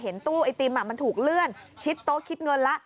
เห็นตู้ไอติมอะมันถูกเลื่อนชิดโต๊ะชิดเงินละ